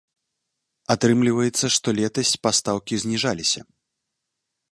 Атрымліваецца, што летась пастаўкі зніжаліся.